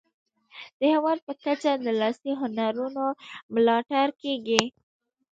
د هیواد په کچه د لاسي هنرونو ملاتړ کیږي.